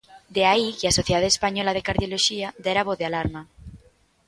De aí que a Sociedade Española de Cardioloxía dera a voz de alarma.